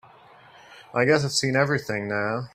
I guess I've seen everything now.